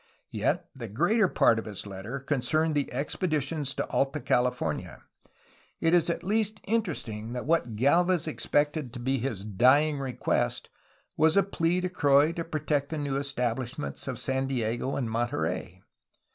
Yet, the greater part of his letter concerned the expeditions to Alta California; it is at least interesting that what Galvez expected to be his dying request was a plea to Croix to protect the new establishments of San Diego and Monterey.